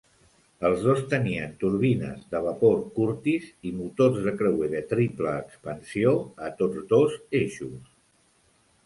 Els dos tenien turbines de vapor Curtis i motors de creuer de triple expansió a tots dos eixos.